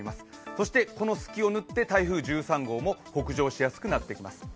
そしてこの隙をぬって、台風１３号も北上しやすくなってきます。